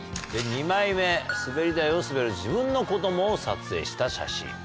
２枚目滑り台を滑る自分の子供を撮影した写真。